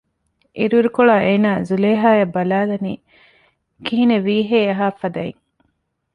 އިރުއިރުކޮޅާ އޭނާ ޒުލޭހާއަށް ބަލާލަނީ ކިހިނެއްވީހޭ އަހާ ފަދައިން